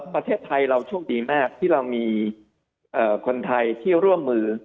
ประเทศไทยเราโชคดีมากที่เรามีคนไทยที่ร่วมมือ